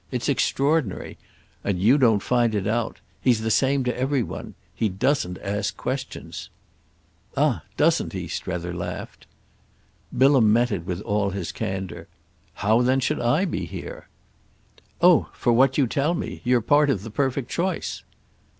It's extraordinary. And you don't find it out. He's the same to every one. He doesn't ask questions.' "Ah doesn't he?" Strether laughed. Bilham met it with all his candour. "How then should I be here? "Oh for what you tell me. You're part of the perfect choice."